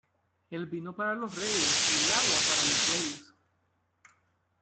El vino para los reyes y el agua para los bueyes.